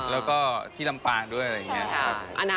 แล้วก็ที่ลำปางด้วยอะไรอย่างนี้